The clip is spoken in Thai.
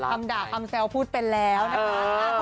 คำด่าคำแซวพูดเป็นแล้วนะคะ